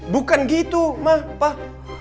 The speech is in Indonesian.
bukan gitu mah